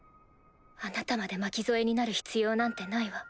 あなたまで巻き添えになる必要なんてないわ。